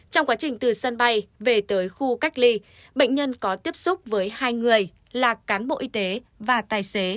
trong quá trình từ sân bay về tới khu cách ly bệnh nhân có tiếp xúc với hai người là cán bộ y tế và tài xế